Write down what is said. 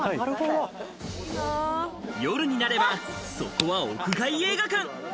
夜になれば、そこは屋外映画館！